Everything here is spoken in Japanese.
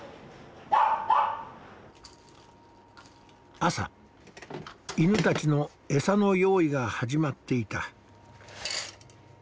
朝犬たちのエサの用意が始まっていた。